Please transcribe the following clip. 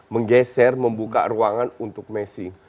menggeser membuka ruangan untuk messing